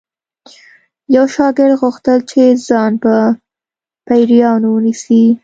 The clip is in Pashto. یو شاګرد غوښتل چې ځان په پیریانو ونیسي